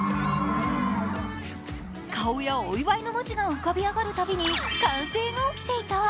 顔やお祝いの文字が浮かび上がるたびに歓声が起きていた。